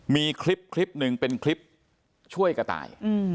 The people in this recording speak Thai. มีคลิปหนึ่งเป็นคลิปช่วยกระต่าย